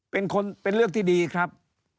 เป็นเรื่องที่ดีครับ